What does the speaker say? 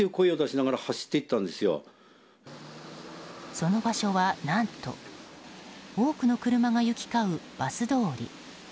その場所は何と多くの車が行き交うバス通り。